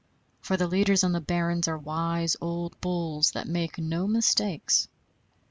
For the leaders on the barrens are wise old bulls that make no mistakes.